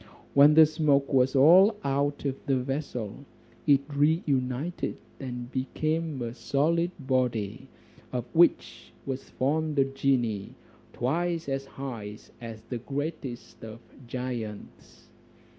When the smoke was all out of the vessel, it re united and became a solid body, of which was formed a genie twice as high as the greatest of giants.